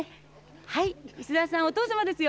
はい石沢さんお父様ですよ。